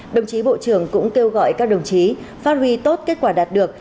đồng chí bộ trưởng cũng kêu gọi các đồng chí phát huy tốt kết quả đạt được